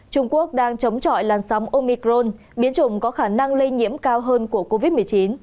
trung quốc đang chống chọi làn sóng omicron biến chủng có khả năng lây nhiễm cao hơn của covid một mươi chín